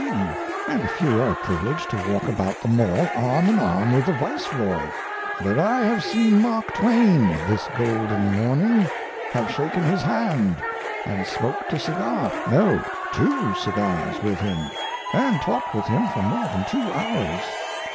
C., and a few are privileged to walk about the Mall arm in arm with the Viceroy; but I have seen Mark Twain this golden morning, have shaken his hand and smoked a cigar no, two cigars with him, and talked with him for more than two hours!